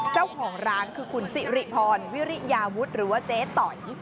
เจ้าของร้านคือคุณสิริพรวิริยาวุฒิหรือว่าเจ๊ต๋อย